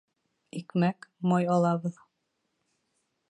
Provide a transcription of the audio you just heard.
Икмәк, май алабыҙ